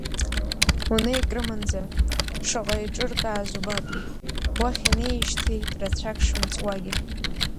Унеи Крымынӡа, шаҟа еиҿыркааз убап, уахь инеижьҭеи рацәак шымҵуагьы!